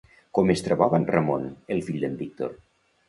Com es trobava en Ramon, el fill d'en Víctor?